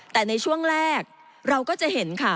แต่ในช่วงแรกเราก็จะเห็นค่ะ